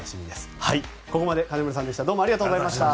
ここまで金村さんでした。